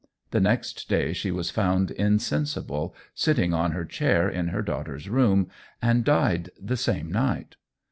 The next day she was found insensible, sitting on her chair in her daughter's room, and died the same night.